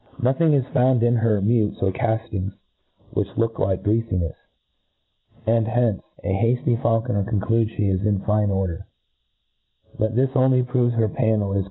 ' Nothing isfpuiid iii hep mutes or callings which looks like greafmcfs j and hence a hafty feulcon^r concludes flic i& in fine order. But this only proves her pannel is?